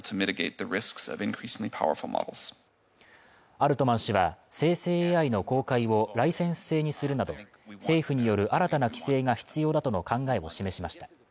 アルトマン氏は、生成ＡＩの公開をライセンス制にするなど、政府による新たな規制が必要だとの考えを示しました。